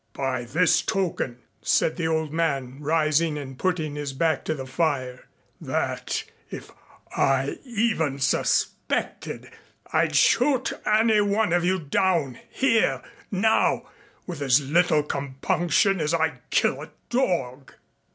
"By this token," said the old man, rising and putting his back to the fire, "that if I even suspected, I'd shoot any one of you down here now, with as little compunction as I'd kill a dog."